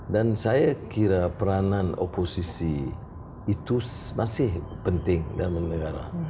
dan saya kira peranan oposisi itu masih penting dalam negara